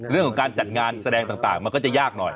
เรื่องของการจัดงานแสดงต่างมันก็จะยากหน่อย